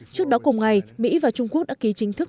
trước đó cùng ngày mỹ và trung quốc đã ký chính thức